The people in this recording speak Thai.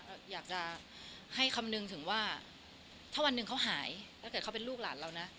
อยากจะให้คำนึงถึงว่าถ้าวันหนึ่งเขาหายถ้าเกิดเขาเป็นลูกหลานเรานะ